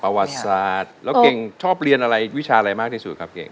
ประวัติศาสตร์แล้วเก่งชอบเรียนอะไรวิชาอะไรมากที่สุดครับเก่ง